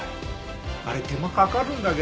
あれ手間かかるんだけど。